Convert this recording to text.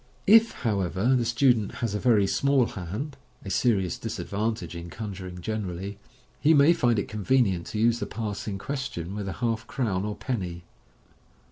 If, however, the student has a very small hand (a serious disadvantage in conjuring generall)), he may find it con Fig. 69. Fig. 70. Fig. 71. venient to use the pass in question with a half crown or penny.